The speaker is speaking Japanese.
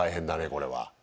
これは。